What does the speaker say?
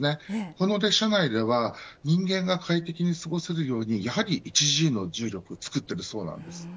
この列車内では人間が快適に過ごせるようにやはり１Ｇの重力を作っているそうです。